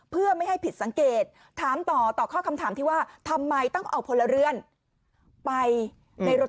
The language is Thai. เพื่อไม่ให้ผิดสังเกตถามต่อต่อข้อคำถามที่ว่าทำไมต้องเอาพลเรือนไปในรถ